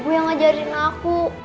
ibu yang ngajarin aku